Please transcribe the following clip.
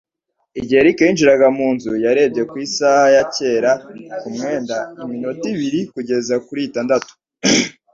Igihe Eric yinjiraga mu nzu, yarebye ku isaha ya kera ku mwenda: iminota ibiri kugeza kuri itandatu.